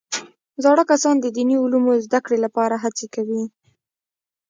زاړه کسان د دیني علومو زده کړې لپاره هڅې کوي